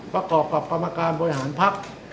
ประกอบกับกรรมการบริหารภักดิ์